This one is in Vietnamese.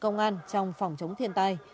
công an trong phòng chống thiên tai